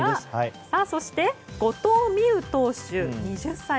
そして、後藤希友投手２０歳。